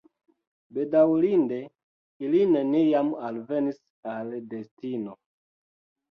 Bedaŭrinde, ili neniam alvenis al destino.